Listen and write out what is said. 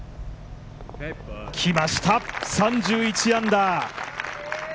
きました、３１アンダー。